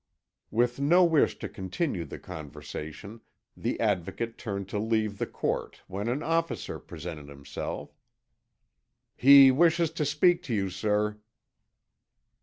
With no wish to continue the conversation, the Advocate turned to leave the court when an officer presented himself. "He wishes to speak to you, sir."